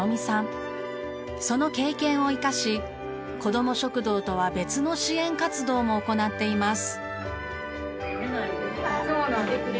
その経験を生かしこども食堂とは別の支援活動も行っています。